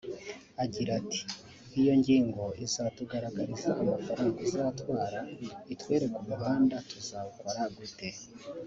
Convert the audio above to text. Agira ati “Iyo nyigo izatugaragariza amafaranga uzatwara…itwereke umuhanda tuzawukora gute